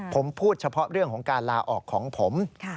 ผมพูดเฉพาะเรื่องของการลาออกของผม